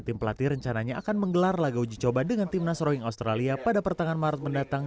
tim pelatih rencananya akan menggelar lagu uji coba dengan tim nasrowing australia pada pertanganan maret mendatang